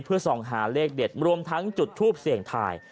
เพื่อส่องหาเลขเด็ดรวมทั้งจุดทูปเสี่ยงทาย